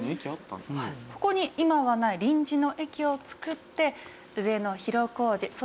ここに今はない臨時の駅をつくって上野広小路